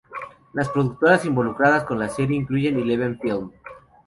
Las productoras involucradas con la serie incluyen Eleven Film.